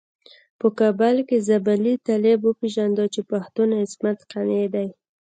په کابل کې زابلي طالب وپيژانده چې پښتون عصمت قانع دی.